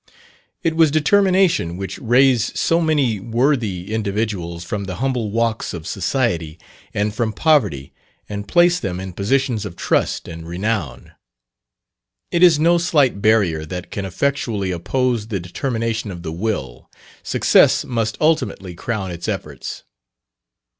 It was determination which raised so many worthy individuals from the humble walks of society, and from poverty, and placed them in positions of trust and renown. It is no slight barrier that can effectually oppose the determination of the will success must ultimately crown its efforts.